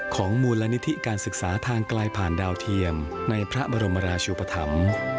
ของมูลนิธิการศึกษาทางไกลผ่านดาวเทียมในพระบรมราชุปธรรม